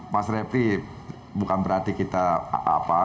mas repi bukan berarti kita